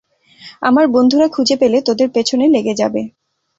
আমার বন্ধুরা খুঁজে পেলে তোদের পেছনে লেগে যাবে।